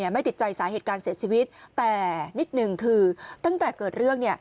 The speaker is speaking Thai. ไม่ติดใจสาเหตุการเสียชีวิตแต่นิดหนึ่งคือตั้งแต่เกิดเรื่อง